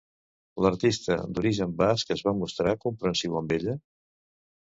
L'artista d'origen basc es va mostrar comprensiu amb ella?